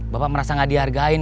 bapak merasa gak dihargain